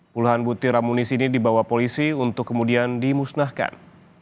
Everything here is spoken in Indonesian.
puluhan butir amunisi ini dibawa polisi untuk kemudian dimusnahkan